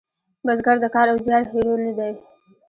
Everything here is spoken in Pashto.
بزګر د کار او زیار هیرو نه دی